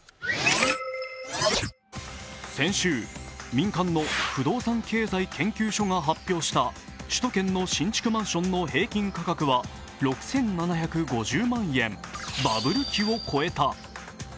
先週、民間の不動産経済研究所が発表した首都圏の新築マンションの平均価格は６７５０万円、バブル期を超えた。